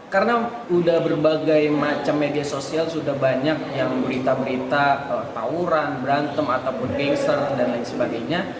karena sudah berbagai macam media sosial sudah banyak yang berita berita tawuran berantem ataupun gangster dan lain sebagainya